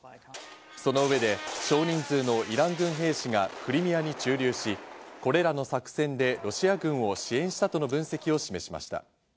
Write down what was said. その上で、少人数のイラン軍兵士がクリミアに駐留し、これらの作戦でロシア軍を支援したとの分析を示しました。